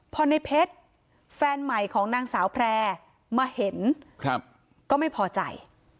พอในเพชรแฟนใหม่ของนางสาวแพร่มาเห็นก็ไม่พอใจ